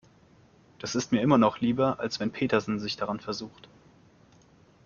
Das ist mir immer noch lieber, als wenn Petersen sich daran versucht.